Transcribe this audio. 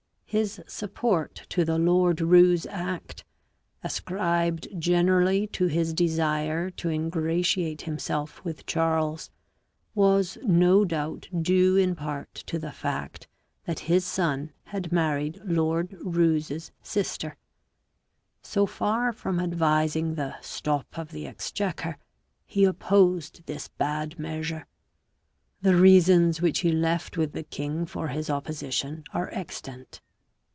His support to the Lord Roos Act, ascribed generally to his desire to ingratiate himself with Charles, was no doubt due in part to the fact that his son had married Lord Roos's sister. So far from advising the " Stop of the Exchequer," he opposed this bad measure; the reasons which he left with the king for his opposition are extant.